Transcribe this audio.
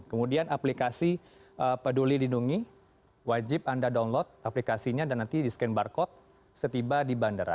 kemudian aplikasi peduli lindungi wajib anda download aplikasinya dan nanti di scan barcode setiba di bandara